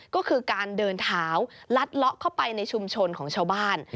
ก็คือการเดินเท้าลัดเลาะเข้าไปในชุมชนของชาวบ้าน